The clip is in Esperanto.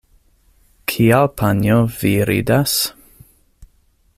Kial panjo, vi ridas?